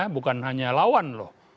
bukan hanya lawan loh